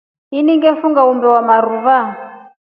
Ina ngefunga umbe wa marua.